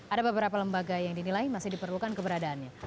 ada beberapa lembaga yang dinilai masih diperlukan keberadaannya